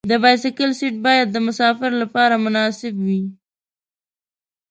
د بایسکل سیټ باید د مسافر لپاره مناسب وي.